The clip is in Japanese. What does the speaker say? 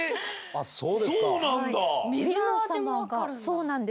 そうなんです。